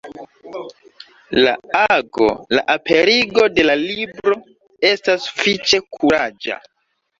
La ago, la aperigo de la libro, estas sufiĉe kuraĝa.